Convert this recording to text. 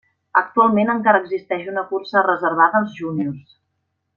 Actualment encara existeix una cursa reservada als júniors.